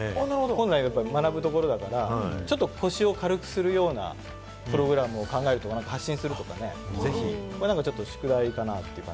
本来、学ぶところだから、ちょっと腰を軽くするようなプログラムを考えたり発信したり、ちょっと宿題かなって感じ？